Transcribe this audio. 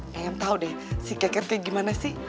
nge em tau deh si keketnya gimana sih